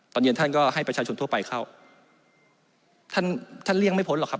ตอนเย็นท่านก็ให้ประชาชนทั่วไปเข้าท่านท่านเลี่ยงไม่พ้นหรอกครับ